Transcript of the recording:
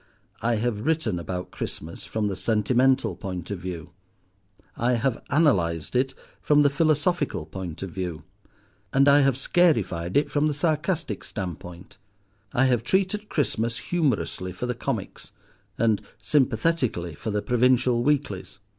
I have written about Christmas from the sentimental point of view; I have analyzed it from the philosophical point of view; and I have scarified it from the sarcastic standpoint. I have treated Christmas humorously for the Comics, and sympathetically for the Provincial Weeklies.